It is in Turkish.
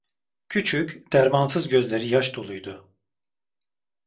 Küçük, dermansız gözleri yaş doluydu.